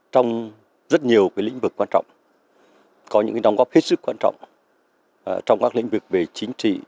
trong rất nhiều lĩnh vực quan trọng có những đóng góp hết sức quan trọng trong các lĩnh vực về chính trị